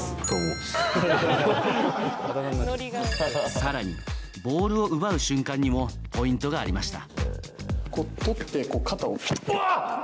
更に、ボールを奪う瞬間にもポイントがありました。